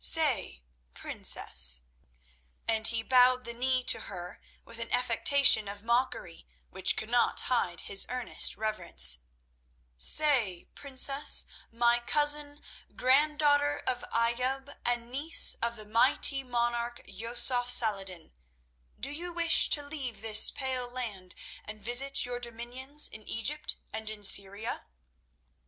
Say, Princess"—and he bowed the knee to her with an affectation of mockery which could not hide his earnest reverence—"say, Princess, my cousin, granddaughter of Ayoub and niece of the mighty monarch, Yusuf Salah ed din, do you wish to leave this pale land and visit your dominions in Egypt and in Syria?"